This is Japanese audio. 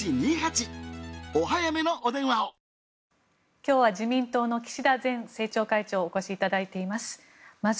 今日は自民党の岸田前政調会長にお越しいただいています。